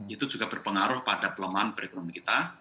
itu juga berpengaruh pada pelemahan perekonomian kita